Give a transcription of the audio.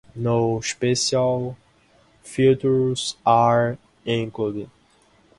No special features are included.